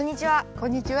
こんにちは。